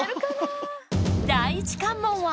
第１関門は。